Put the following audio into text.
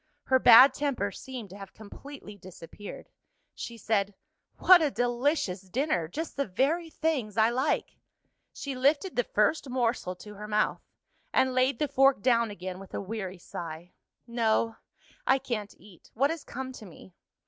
Her bad temper seemed to have completely disappeared. She said, "What a delicious dinner! Just the very things I like." She lifted the first morsel to her mouth and laid the fork down again with a weary sigh. "No: I can't eat; what has come to me?"